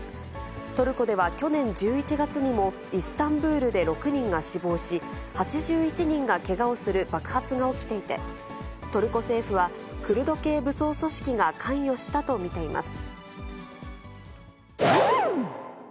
トルコでは去年１１月にも、イスタンブールで６人が死亡し、８１人がけがをする爆発が起きていて、トルコ政府は、クルド系武装組織が関与したと見ています。